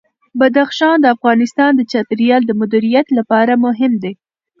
بدخشان د افغانستان د چاپیریال د مدیریت لپاره مهم دي.